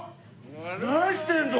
何してんの？